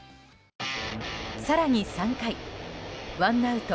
更に３回、ワンアウト